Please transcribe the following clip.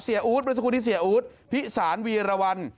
เสียอุธบริษัทคุณที่เสียอุธพิสารวีรวรรณ